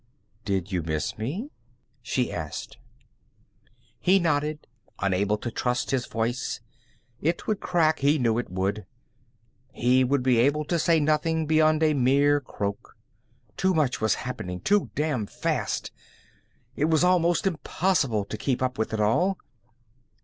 "Did you miss me?" She asked. He nodded, unable to trust his voice. It would crack, he knew it would. He would be able to say nothing beyond a mere croak. Too much was happening, too damned fast. It was almost impossible to keep up with it all.